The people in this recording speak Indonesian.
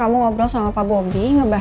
gua mau ngobrol sama pak bobby nggak udah lah